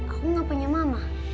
aku gak punya mama